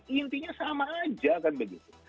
intinya sama aja kan begitu